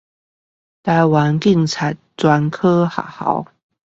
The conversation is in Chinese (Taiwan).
臺灣警察專科學校